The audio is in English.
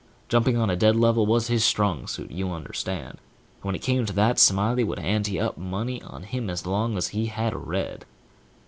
Jumping on a dead level was his strong suit, you understand; and when it come to that, Smiley would ante up money on him as long as he had a red.